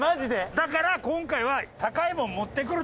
だから今回は。